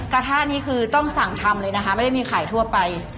กระทะนี่คือต้องสั่งทำเลยนะคะไม่ได้มีขายทั่วไป